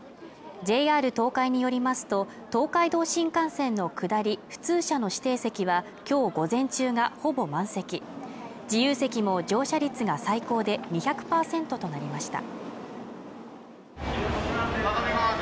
ＪＲ東海によりますと東海道新幹線の下り普通車の指定席はきょう午前中がほぼ満席自由席も乗車率が最高で２００％となりました